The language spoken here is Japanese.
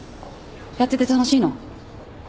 やってて楽しいの？